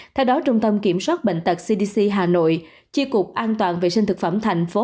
theo đó trung tâm kiểm soát bệnh tật cdc hà nội chi cục an toàn vệ sinh thực phẩm thành phố